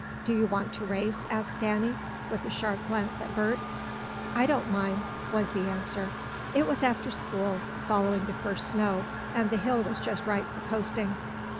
"Do you want to race?" asked Danny with a sharp glance at Bert. "I don't mind," was the answer. It was after school, following the first snow, and the hill was just right for coasting.